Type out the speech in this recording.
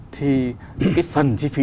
thì cái phần chi phí